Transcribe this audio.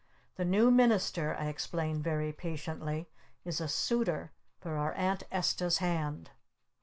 The New Minister," I explained very patiently, "is a Suitor for our Aunt Esta's hand!"